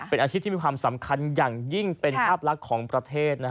เป็นอาชีพที่มีความสำคัญอย่างยิ่งเป็นภาพลักษณ์ของประเทศ